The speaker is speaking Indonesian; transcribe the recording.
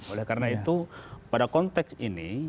oleh karena itu pada konteks ini